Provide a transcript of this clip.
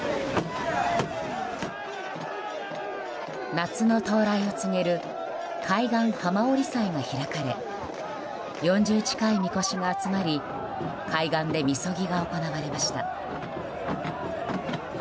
夏の到来を告げる海岸浜降祭が開かれ４０近いみこしが集まり海岸でみそぎが行われました。